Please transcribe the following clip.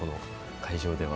会場では。